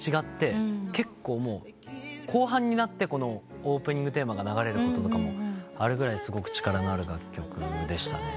結構後半になってオープニングテーマが流れることとかもあるぐらいすごく力のある楽曲でしたね。